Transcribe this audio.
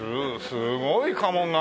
すごい家紋が。